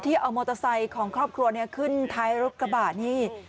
เอามอเตอร์ไซค์ของครอบครัวขึ้นท้ายรถกระบะนี่